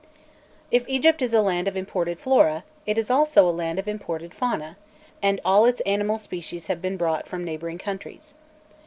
] If Egypt is a land of imported flora, it is also a land of imported fauna, and all its animal species have been brought from neighbouring countries.